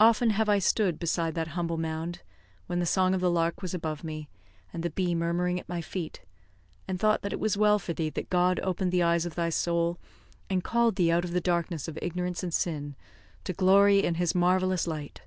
Often have I stood beside that humble mound, when the song of the lark was above me, and the bee murmuring at my feet, and thought that it was well for thee that God opened the eyes of thy soul, and called thee out of the darkness of ignorance and sin to glory in His marvellous light.